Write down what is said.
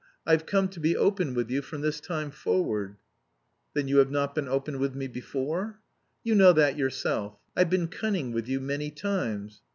I've come to be open with you from this time forward." "Then you have not been open with me before?" "You know that yourself. I've been cunning with you many times...